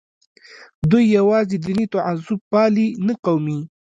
دوی یوازې دیني تعصب پالي نه قومي.